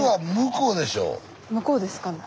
向こうですかね。